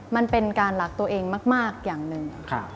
มันเป็นการรักตัวเองมากอย่างหนึ่ง